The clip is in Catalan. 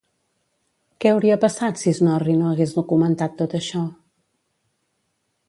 Què hauria passat si Snorri no hagués documentat tot això?